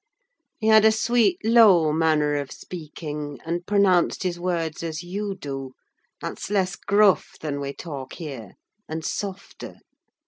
He had a sweet, low manner of speaking, and pronounced his words as you do: that's less gruff than we talk here, and softer.